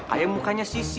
kayak mukanya sisi